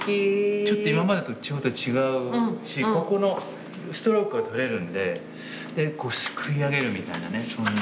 ちょっと今までと違うしここのストロークがとれるんででこう救いあげるみたいなねそんな。